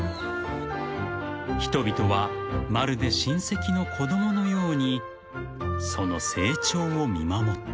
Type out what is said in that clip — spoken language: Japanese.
［人々はまるで親戚の子供のようにその成長を見守った］